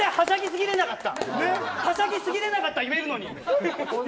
全然はしゃぎすぎなかったら言えるのに。